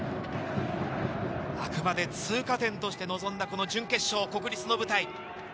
あくまで通過点として臨んだ準決勝、国立の舞台。